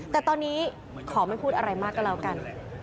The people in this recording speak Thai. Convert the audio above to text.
แต่ตอนนี้ขอไม่พูดอะไรมากก็แล้วกัน